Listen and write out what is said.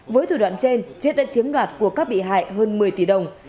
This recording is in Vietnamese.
với thủ đoạn trên chiết đã chiếm đoạt của các bị hại hơn một mươi tỷ đồng